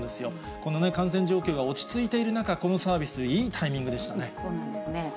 この感染状況が落ち着いている中、このサービス、いいタイミングでそうなんですね。